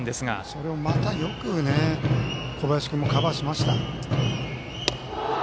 それをまた、よく小林君もカバーしました。